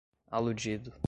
aludido